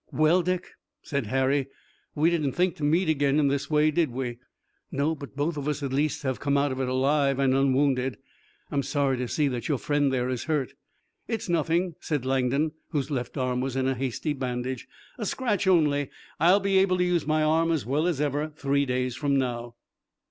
"Well, Dick," said Harry, "we didn't think to meet again in this way, did we?" "No, but both of us at least have come out of it alive, and unwounded. I'm sorry to see that your friend there is hurt." "It's nothing," said Langdon, whose left arm was in a hasty bandage. "A scratch only. I'll be able to use my arm as well as ever three days from now."